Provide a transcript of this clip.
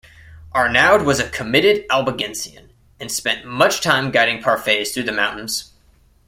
Arnaud was a committed Albigensian and spent much time guiding parfaits through the mountains.